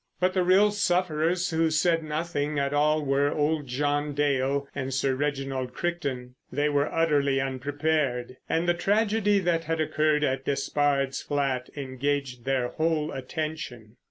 But the real sufferers who said nothing at all were old John Dale and Sir Reginald Crichton. They were utterly unprepared, and the tragedy that had occurred at Despard's flat engaged their whole attention.